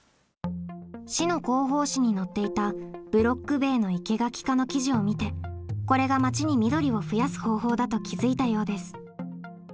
市の広報誌に載っていた「ブロック塀の生け垣化」の記事を見てこれが町に緑を増やす方法だと気づいたようです。